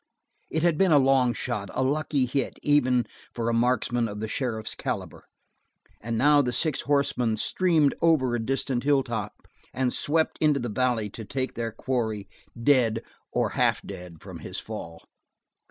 It had been a long shot, a lucky hit even for a marksman of the sheriff's caliber, and now the six horsemen streamed over a distant hilltop and swept into the valley to take their quarry dead, or half dead, from his fall.